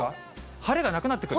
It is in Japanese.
晴れがなくなってくる。